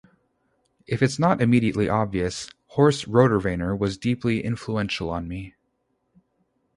If it's not immediately obvious: "Horse Rotorvator" was deeply influential on me.